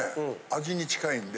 味に近いんで。